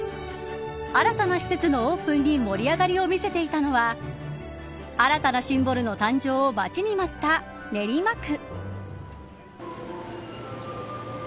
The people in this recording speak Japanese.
新たな施設のオープンに盛り上がりを見せていたのは新たなシンボルの誕生を待ちに待った練馬区。